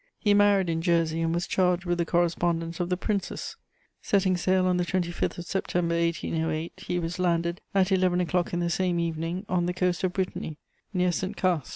He married in Jersey, and was charged with the correspondence of the Princes. Setting sail on the 25th of September 1808, he was landed, at eleven o'clock in the same evening, on the coast of Brittany, near Saint Cast.